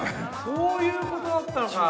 ◆そういうことだったのか。